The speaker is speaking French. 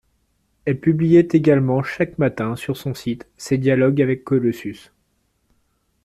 Elle publiait également chaque matin sur son site ses dialogues avec Colossus.